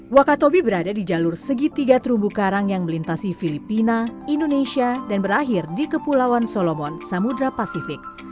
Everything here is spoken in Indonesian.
wakatobi berada di jalur segitiga terumbu karang yang melintasi filipina indonesia dan berakhir di kepulauan solomon samudera pasifik